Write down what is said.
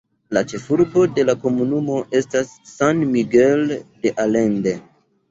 La ĉefurbo de la komunumo estas San Miguel de Allende.